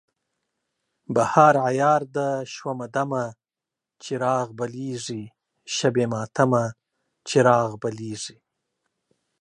غزل: بهار عیار ده شومه دمه، چراغ بلیږي شبِ ماتمه، چراغ بلیږي